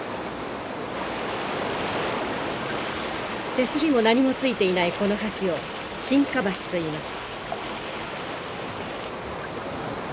手すりも何もついていないこの橋を沈下橋といいます。